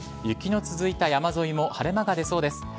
雪の続いた山沿いも晴れ間が出そうです。